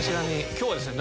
今日はですね